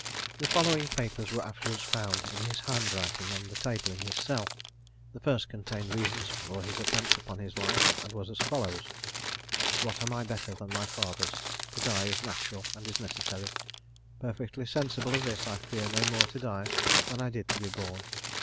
The following papers were afterwards found in his handwriting on the table in his cell. The first contained reasons for his attempt upon his life, and was as follows: "What am I better than my fathers? To die is natural and necessary. Perfectly sensible of this, I fear no more to die than I did to be born.